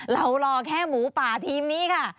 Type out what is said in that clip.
รอแค่หมูป่าทีมนี้ค่ะ